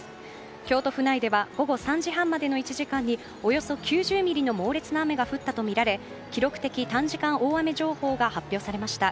京都府内では午後３時半までの１時間におよそ９０ミリの猛烈な雨が降ったとみられ記録的短時間大雨情報が発表されました。